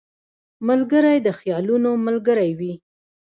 ملګری د خیالونو ملګری وي